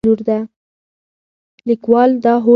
لیکوال دا هوډ لري.